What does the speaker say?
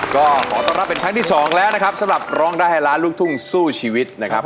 ก็ขอต้อนรับเป็นครั้งที่สองแล้วนะครับสำหรับร้องได้ให้ล้านลูกทุ่งสู้ชีวิตนะครับ